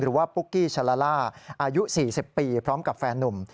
ปุ๊กกี้ชาลาล่าอายุ๔๐ปีพร้อมกับแฟนนุ่ม